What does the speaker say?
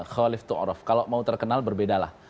kholif to'orof kalau mau terkenal berbeda lah